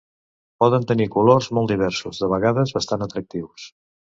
Poden tenir colors molt diversos, de vegades bastant atractius.